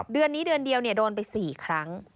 เดือนนี้เดือนเดียวโดนไป๔ครั้ง